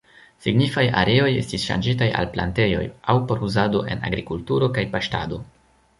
Signifaj areoj estis ŝanĝitaj al plantejoj, aŭ por uzado en agrikulturo kaj paŝtado.